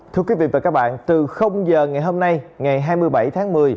thưa quý vị và các bạn từ giờ ngày hôm nay ngày hai mươi bảy tháng một mươi